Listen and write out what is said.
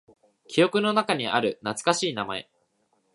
記憶の中にある懐かしい名前。